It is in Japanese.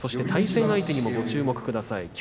対戦相手にもご注目ください。